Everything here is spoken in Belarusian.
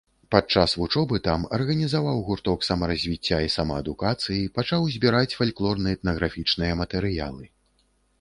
Падчас вучобы там арганізаваў гурток самаразвіцця і самаадукацыі, пачаў збіраць фальклорна-этнаграфічныя матэрыялы.